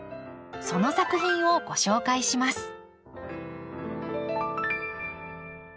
その作品をご紹介します。